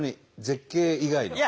絶景以外の。